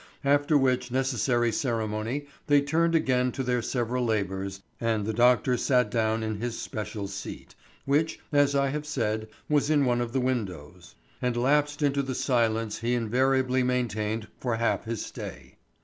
After which necessary ceremony they turned again to their several labors and the doctor sat down in his especial seat, which, as I have said, was in one of the windows, and lapsed into the silence he invariably maintained for half his stay.